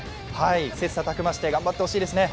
切磋琢磨して頑張ってほしいですね。